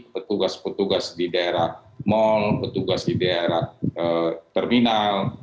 petugas petugas di daerah mal petugas di daerah terminal